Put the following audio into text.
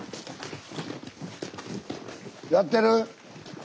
やってる？